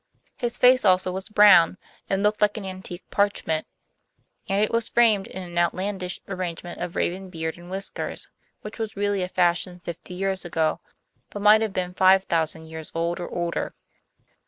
His face also was brown, and looked like an antique parchment, and it was framed in an outlandish arrangement of raven beard and whiskers, which was really a fashion fifty years ago, but might have been five thousand years old or older.